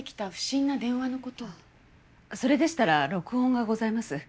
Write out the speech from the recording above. それでしたら録音がございます。